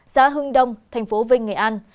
xa hưng đông thành phố vinh nghệ an